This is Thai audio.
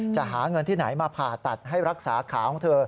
จะหาเงินที่ไหนมาผ่าตัดให้รักษาขาของเธอ